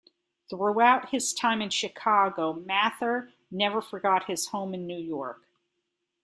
Throughout his time in Chicago, Mather never forgot his home in New York.